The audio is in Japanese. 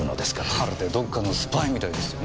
まるでどっかのスパイみたいですよね。